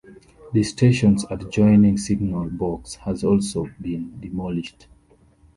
The station's adjoining signal box has also been demolished.